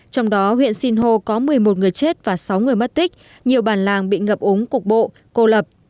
trong đó huyện sinh hồ có một mươi một người chết và sáu người mất tích nhiều bản làng bị ngập ống cục bộ cô lập